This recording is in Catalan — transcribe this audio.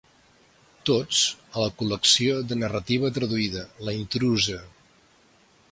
Tots, a la col·lecció de narrativa traduïda: La intrusa.